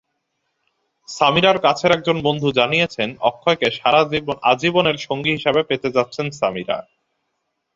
সামিরার কাছের একজন বন্ধু জানিয়েছেন, অক্ষয়কে আজীবনের সঙ্গী হিসেবে পেতে যাচ্ছেন সামিরা।